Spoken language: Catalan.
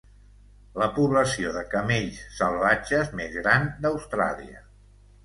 La població de camells salvatges més gran d'Austràlia.